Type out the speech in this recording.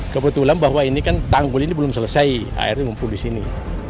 kebetulan bahwa ini kan tanggul ini belum selesai akhirnya lumpur disini